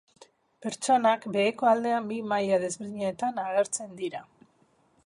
Pertsonak beheko aldean bi maila desberdinetan agertzen dira.